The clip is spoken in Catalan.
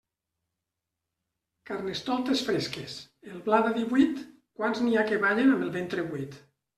Carnestoltes fresques, el blat a divuit, quants n'hi ha que ballen amb el ventre buit.